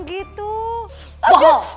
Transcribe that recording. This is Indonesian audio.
enggak jadi pulang kampung gitu